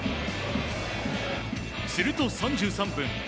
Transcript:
すると、３３分。